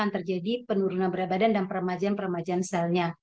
terjadi penurunan berat badan dan peremajuan peremajuan selnya